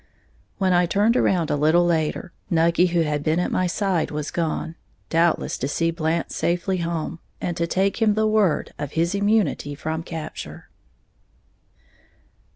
When I turned around a little later, Nucky, who had been at my side, was gone, doubtless to see Blant safely home, and to take him the word of his immunity from capture.